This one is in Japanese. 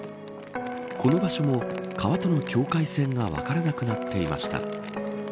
この場所も、川との境界線が分からなくなっていました。